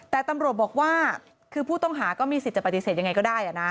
แต่ตำรวจบอกว่าคือผู้ต้องหาก็มีสิทธิ์จะปฏิเสธยังไงก็ได้